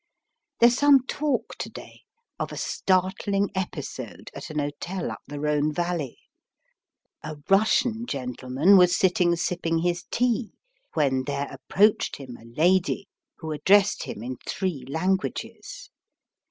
There's some talk to day of a startling episode at an hotel up the Rhone Valley. A Russian gentleman was sitting sipping his tea, when there approached him a lady, who addressed him in three languages.